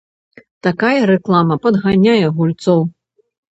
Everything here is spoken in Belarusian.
Такая рэклама падганяе гульцоў.